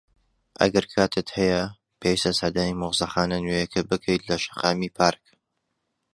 ئەگەر کاتت هەیە، پێویستە سەردانی مۆزەخانە نوێیەکە بکەیت لە شەقامی پارک.